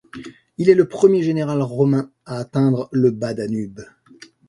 Il est le premier général romain à atteindre le bas-Danube.